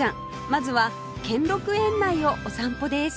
まずは兼六園内をお散歩です